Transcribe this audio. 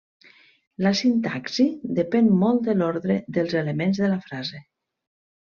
La sintaxi depèn molt de l'ordre dels elements de la frase.